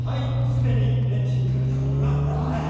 すでにレンジにかけたものがお隣にあります。